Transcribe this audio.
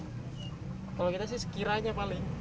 kalau kita sih sekiranya paling